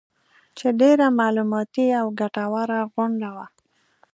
چې ډېره معلوماتي او ګټوره غونډه وه